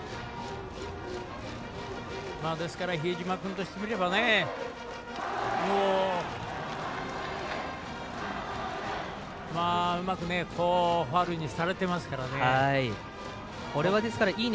ですから比江島君としてみればうまくファウルにされていますから。